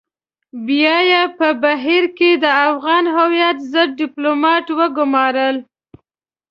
بيا يې په بهر کې د افغان هويت ضد ډيپلومات وگمارل.